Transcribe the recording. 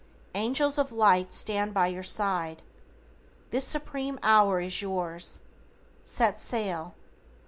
Angels of Light stand by your side. This Supreme hour is yours. Set sail.